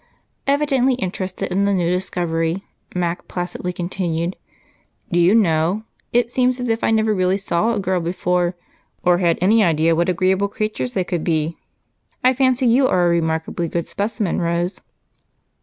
Evidently interested in the new discovery, Mac placidly continued, "Do you know, it seems as if I never really saw a girl before, or had any idea what agreeable creatures they could be. I fancy you are a remarkably good specimen, Rose."